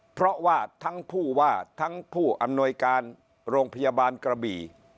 เพราะว่าทั้งผู้ว่าทั้งผู้อำนวยการโรงพยาบาลกระบี่